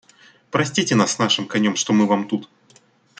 Простите нас с нашим конем, что мы Вам тут.